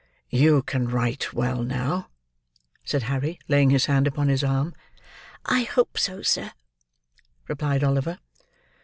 "You can write well now?" said Harry, laying his hand upon his arm. "I hope so, sir," replied Oliver.